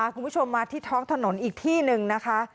คุณผู้ชมมาที่ท้องถนนอีกที่หนึ่งนะคะ